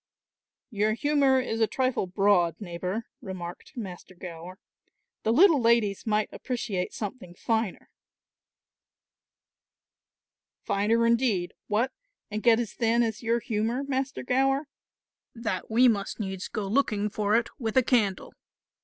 "Your humour is a trifle broad, neighbour," remarked Master Gower; "the little ladies might appreciate something finer." "Finer indeed what, and get as thin as your humour, Master Gower, that we must needs go looking for it with a candle.